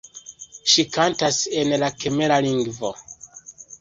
Ŝi kantas en la kmera lingvo.